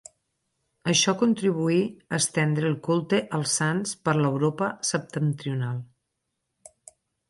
Això contribuí a estendre el culte als sants per l'Europa septentrional.